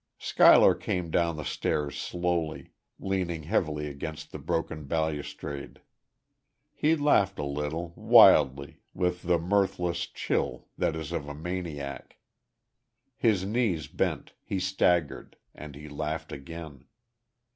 Schuyler came down the stairs slowly, leaning heavily against the broken balustrade. He laughed a little, wildly, with the mirthless chill that is of a maniac. His knees bent; he staggered.... And he laughed again....